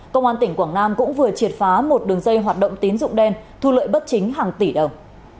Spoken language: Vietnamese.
công an tỉnh quảng nam cũng vừa triệt phá một đường dây hoạt động tín dụng đen thu lợi bất chính hàng tỷ đồng